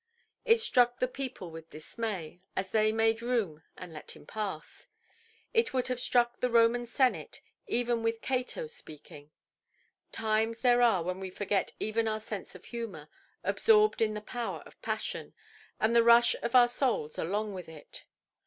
It struck the people with dismay, as they made room and let him pass; it would have struck the Roman senate, even with Cato speaking. Times there are when we forget even our sense of humour, absorbed in the power of passion, and the rush of our souls along with it.